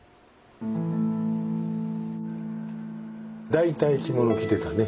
大体着物着てたね。